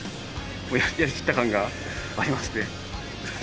もうやりきった感がありますね。